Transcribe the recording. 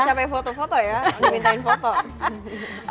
saya enggak boleh capai foto foto ya